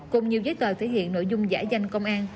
cùng nhiều giấy tờ thể hiện nội dung giả danh công an